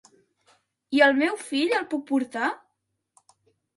I el meu fill, el puc portar?